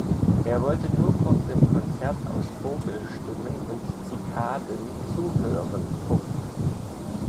Er wollte nur kurz dem Konzert aus Vogelstimmen und Zikaden zuhören.